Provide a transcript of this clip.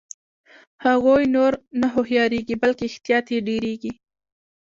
هغوی نور نه هوښیاریږي بلکې احتیاط یې ډیریږي.